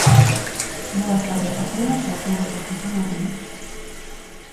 Boas tardes a todas e a todos os que están arriba.